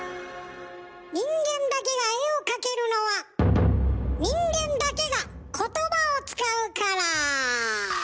人間だけが絵を描けるのは人間だけがことばを使うから。